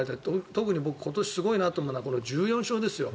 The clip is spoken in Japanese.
特に今年すごいなと思うのが１４勝ですよ。